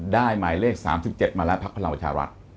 หมายเลข๓๗มาแล้วพักพลังประชารัฐ